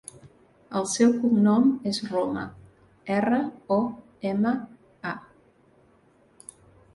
El seu cognom és Roma: erra, o, ema, a.